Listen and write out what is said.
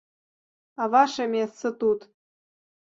А ваша месца тут.